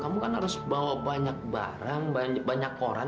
kamu kan harus bawa banyak barang banyak koran